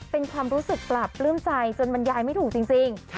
เป็นความรู้สึกปราบปลื้มใจจนบรรยายไม่ถูกจริง